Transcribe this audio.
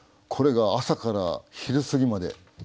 これが朝から昼過ぎまで。